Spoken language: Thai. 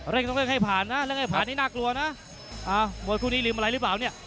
ต้องเร่งให้ผ่านนะเร่งให้ผ่านนี้น่ากลัวนะมวยคู่นี้ลืมอะไรหรือเปล่าเนี่ย